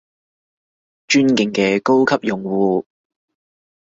尊敬嘅高級用戶